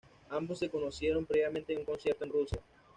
Ambos se conocieron previamente en un concierto en Rusia.